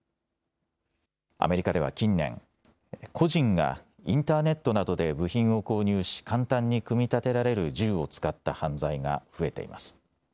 アメリカでは近年、個人がインターネットなどで部品を購入し簡単に組み立てられる銃を使った犯罪が増えています。